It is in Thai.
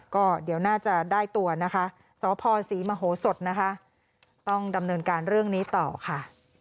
ก็เดี๋ยวน่าจะได้ตัวนะคะสพศรีมโหสดนะคะต้องดำเนินการเรื่องนี้ต่อค่ะ